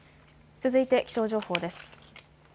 続いて気象情報です。